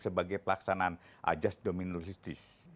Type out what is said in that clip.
sebagai pelaksanaan ajas dominus litis